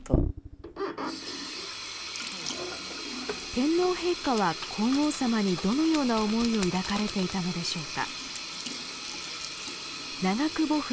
天皇陛下は皇后さまにどのような思いを抱かれていたのでしょうか。